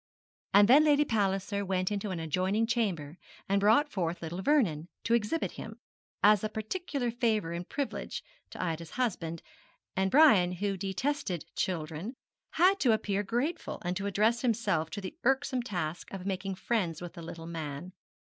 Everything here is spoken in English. And then Lady Palliser went into an adjoining chamber and brought forth little Vernon, to exhibit him, as a particular favour and privilege, to Ida's husband; and Brian, who detested children, had to appear grateful, and to address himself to the irksome task of making friends with the little man.